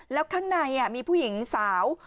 แล้วข้างในมีผู้หญิงสาว